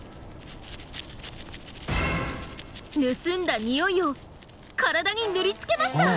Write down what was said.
盗んだ匂いを体に塗りつけました！